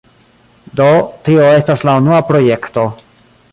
Do, tio estas la unua projekto